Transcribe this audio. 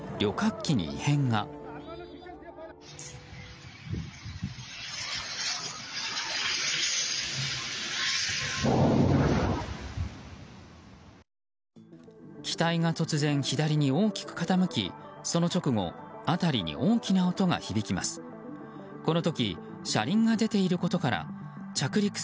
機体が突然、左に大きく傾きその直後辺りに大きな音が響きます。